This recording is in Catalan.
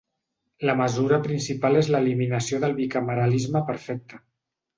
La mesura principal és l’eliminació del bicameralisme perfecte.